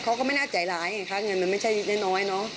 เขาก็ไม่น่าใจร้ายไงคะเงินมันไม่ใช่น้อยเนอะ